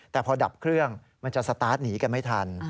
แต่พอดับเครื่องมันจะสตาร์ทหนีกันไม่ทัน